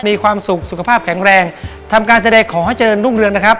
มีความสุขสุขภาพแข็งแรงทำการแสดงขอให้เจริญรุ่งเรืองนะครับ